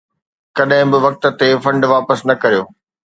ڪڏهن به وقت تي فنڊ واپس نه ڪريو.